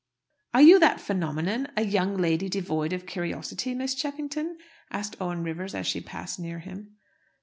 "Are you that phenomenon, a young lady devoid of curiosity, Miss Cheffington?" asked Owen Rivers, as she passed near him.